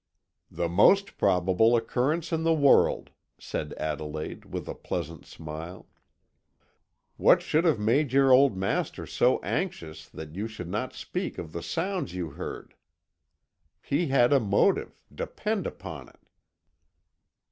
"The most probable occurrence in the world," said Adelaide, with a pleasant smile. "What should have made your old master so anxious that you should not speak of the sounds you heard? He had a motive, depend upon it."